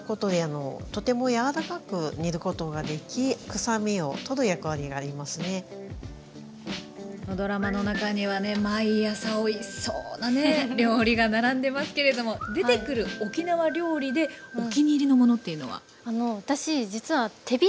泡盛を使うことでドラマの中にはね毎朝おいしそうなね料理が並んでますけれども出てくる沖縄料理でお気に入りのものっていうのは？